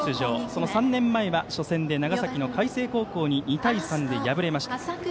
その３年前は初戦で長崎の海星高校に２対３で敗れました。